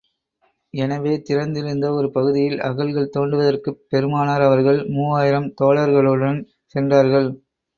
எனவே திறந்திருந்த ஒரு பகுதியில் அகழ்கள் தோண்டுவதற்குப் பெருமானார் அவர்கள் மூவாயிரம் தோழர்களுடன் சென்றார்கள்.